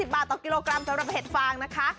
บาทต่อกิโลกรัมสำหรับเห็ดฟางนะคะ